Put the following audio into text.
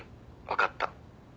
分かった。